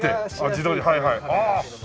自撮りはいはい。ああ！